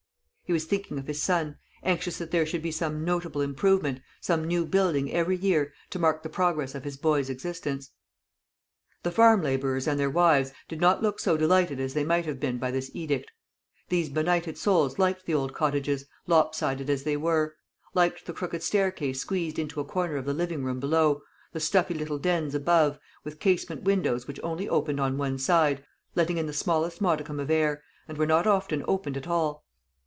He was thinking of his son, anxious that there should be some notable improvement, some new building every year, to mark the progress of his boy's existence. The farm labourers and their wives did not look so delighted as they might have been by this edict. These benighted souls liked the old cottages, lop sided as they were liked the crooked staircase squeezed into a corner of the living room below, the stuffy little dens above, with casement windows which only opened on one side, letting in the smallest modicum of air, and were not often opened at all.